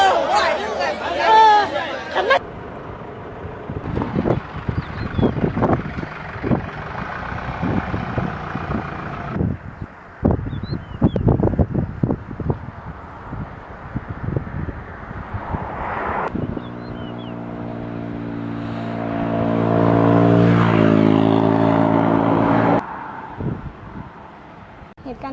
สวัสดีครับทุกคน